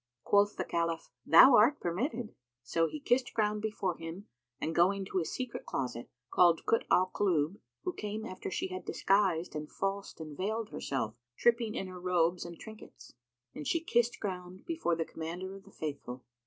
Quoth the Caliph, "Thou art permitted!" So he kissed ground before him and going to a secret closet, called Kut al Kulub, who came after she had disguised and falsed and veiled herself, tripping in her robes and trinkets; and she kissed ground before the Commander of the Faithful.